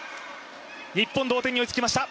日本、同点に追いつきました。